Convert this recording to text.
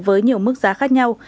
với nhiều mức giá khác nhau